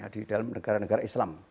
di dalam negara negara islam